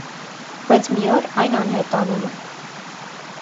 Բայց մի օր այն անհետանում է։